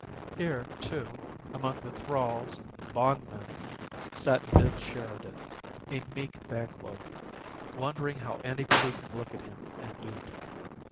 Here, too, among the thralls and bondmen, sat Bibbs Sheridan, a meek Banquo, wondering how anybody could look at him and eat.